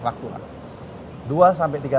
waktu dua sampai tiga